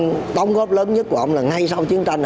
cái đóng góp lớn nhất của ông là ngay sau chiến tranh